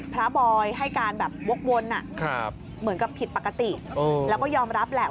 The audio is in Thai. บอยให้การแบบวกวนเหมือนกับผิดปกติแล้วก็ยอมรับแหละ